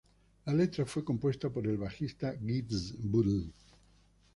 La letra fue compuesta por el bajista Geezer Butler.